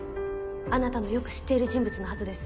あなたのよく知っている人物のはずです。